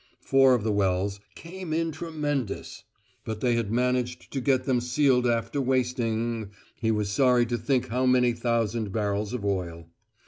Four of the wells "came in tremendous," but they had managed to get them sealed after wasting he was "sorry to think how many thousand barrels of oil."